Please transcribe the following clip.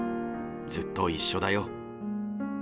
ずっと一緒だよ。